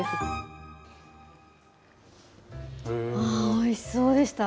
おいしそうでした。